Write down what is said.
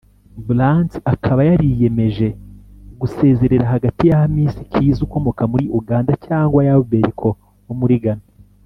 Brandts akaba yariyemeje gusezerera hagati ya Khamis Kiiza ukomoka muri Uganda cyangwa Yaw Berko wo muri Ghana